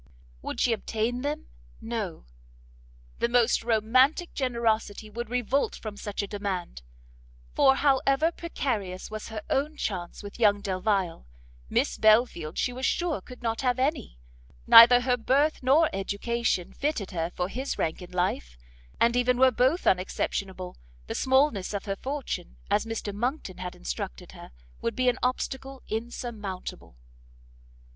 Would she obtain them? no; the most romantic generosity would revolt from such a demand, for however precarious was her own chance with young Delvile, Miss Belfield she was sure could not have any; neither her birth nor education fitted her for his rank in life, and even were both unexceptionable, the smallness of her fortune, as Mr Monckton had instructed her, would be an obstacle insurmountable.